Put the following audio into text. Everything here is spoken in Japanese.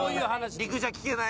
陸じゃ聞けない。